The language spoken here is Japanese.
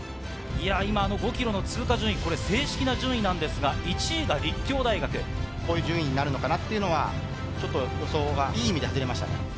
今、５キロの通過順位、これ、正式な順位なんですが、こういう順位になるのかなっていうのはちょっと予想が、いい意味で外れましたね。